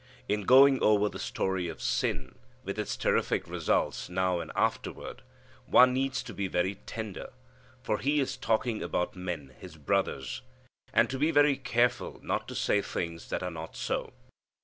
In going over the story of sin with its terrific results now and afterward, one needs to be very tender, for he is talking about men his brothers. And to be very careful not to say things that are not so.